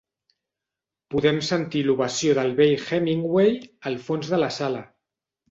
Podem sentir l'ovació del vell Hemingway al fons de la sala.